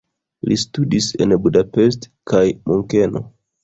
Li studis en Budapest kaj Munkeno.